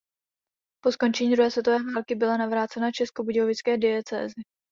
Po skončení druhé světové války byla navrácena českobudějovické diecézi.